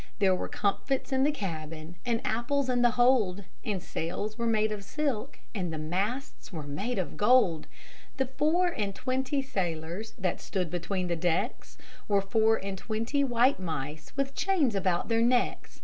There were comfits in the cabin, And apples in the hold; The sails were made of silk, And the masts were made of gold. The four and twenty sailors That stood between the decks, Were four and twenty white mice With chains about their necks.